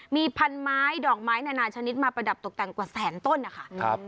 มีพันไม้ดอกไม้นานาชนิดมาประดับตกแต่งกว่าแสนต้นนะคะ